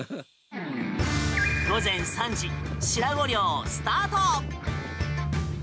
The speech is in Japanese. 午前３時シラウオ漁スタート！